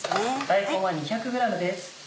大根は２００ｇです。